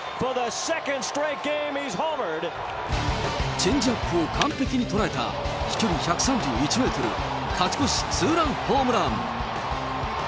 チェンジアップを完璧に捉えた飛距離１３１メートル、勝ち越しツーランホームラン。